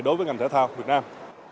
đối với ngành thể thao việt nam